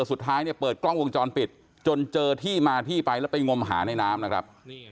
สุดท้ายเนี่ยเปิดกล้องวงจรปิดจนเจอที่มาที่ไปแล้วไปงมหาในน้ำนะครับ